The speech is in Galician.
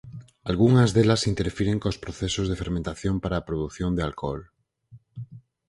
Algunhas delas interfiren cos procesos de fermentación para a produción de alcohol.